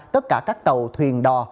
tất cả các cầu thuyền đò